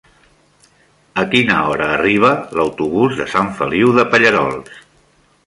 A quina hora arriba l'autobús de Sant Feliu de Pallerols?